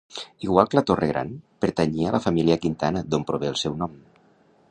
Igual que la Torre Gran, pertanyia a la família Quintana d'on prové el seu nom.